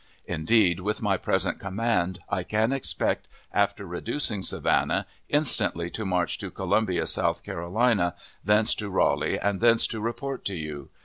Indeed, with my present command, I had expected, after reducing Savannah, instantly to march to Columbia, South Carolina; thence to Raleigh, and thence to report to you.